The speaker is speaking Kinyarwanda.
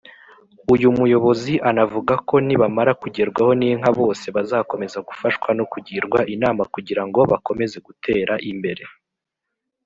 Uyu muyobozi anavuga ko nibamara kugerwaho n’inka bose bazakomeza gufashwa no kugirwa inama kugira ngo bakomeze gutera imbere.